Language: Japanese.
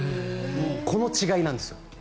この違いなんですよ。